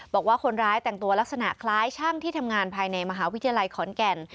บอกว่าคนร้ายแต่งตัวลักษณะคล้ายช่างที่ทำงานภายในมหาวิทยาลัยขอนแก่น